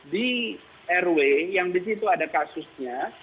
di rw yang di situ ada kasusnya